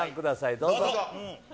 どうぞ。